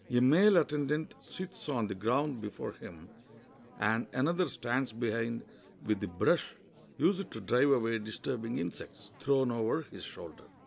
A male attendant sits on the groimd before him, and another stands behind with the brush, used to drive away disturbing insects, thrown over his shoulder.